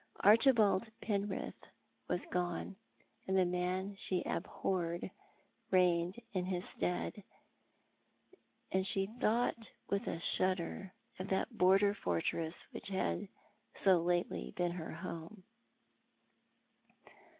Archibald Penrith was gone, and the mail she abhorred reigned in his stead, and she thought with a shudder of that border fortress which had so lately been her home.